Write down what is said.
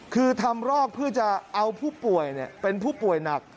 คือทำรอกเพื่อจะเอาผู้ป่วยเป็นผู้ป่วยหนัก